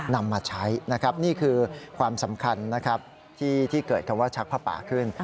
นำมาใช้นะครับนี่คือความสำคัญนะครับที่เกิดคำว่าชักผ้าป่าขึ้น